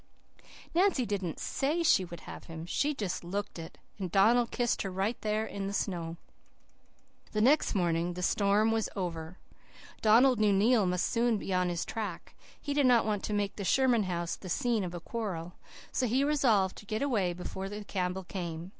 "Nancy didn't SAY she would have him. She just LOOKED it, and Donald kissed her right there in the snow. "The next morning the storm was over. Donald knew Neil must be soon on his track. He did not want to make the Sherman house the scene of a quarrel, so he resolved to get away before the Campbell came.